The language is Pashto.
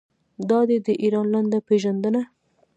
دا دی د ایران لنډه پیژندنه.